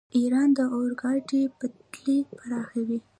ایران د اورګاډي پټلۍ پراخوي.